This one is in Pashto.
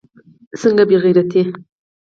څنگه بې غيرتي.